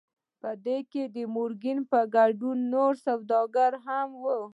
په دې کې د مورګان په ګډون نور سوداګر هم وو